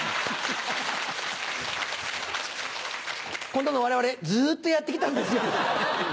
こんなのを我々ずっとやって来たんですよ。